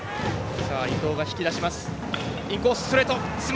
伊藤が引き出します。